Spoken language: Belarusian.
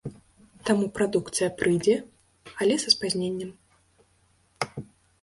Таму прадукцыя прыйдзе, але са спазненнем.